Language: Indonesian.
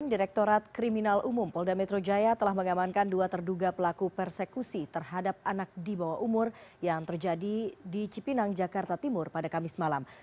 direktorat kriminal umum polda metro jaya telah mengamankan dua terduga pelaku persekusi terhadap anak di bawah umur yang terjadi di cipinang jakarta timur pada kamis malam